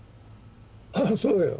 ああそうよ